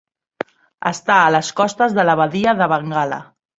Està a les costes de la Badia de Bengala.